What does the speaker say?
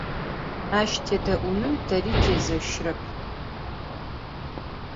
Aş têde'unım teri têzeşrep.